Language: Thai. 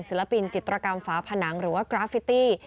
ศิลปินจิตรกรรมฝาผนังหรือว่ากราฟิตี้